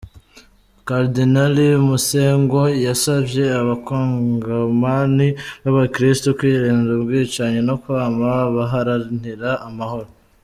Kardinali Mosengwo yasavye abakongomani b'abakristu kwirinda ubwicanyi no kwama baharanira amahoro.